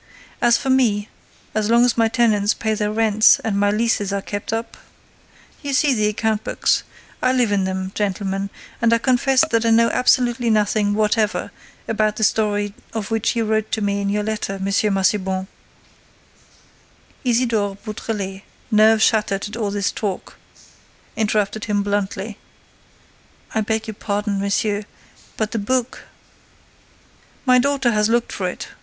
As for me, as long as my tenants pay their rents and my leases are kept up—! You see my account books: I live in them, gentlemen; and I confess that I know absolutely nothing whatever about that story of which you wrote to me in your letter, M. Massiban—" Isidore Beautrelet, nerve shattered at all this talk, interrupted him bluntly: "I beg your pardon, monsieur, but the book—" "My daughter has looked for it.